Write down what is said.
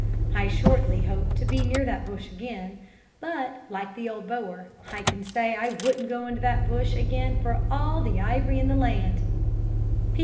I shortly hope to be near that bush again, but, like the old Boer, I can say I wouldn't go into that bush again for all the ivory in the land.